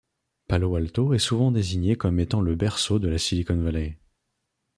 Palo Alto est souvent désignée comme étant le berceau de la Silicon Valley.